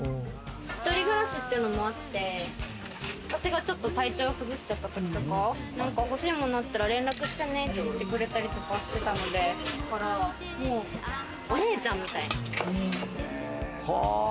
一人暮らしっていうのもあって、私が体調崩しちゃったときとか、欲しいものあったら連絡してねって言ってくれたり、お姉ちゃんみたいな。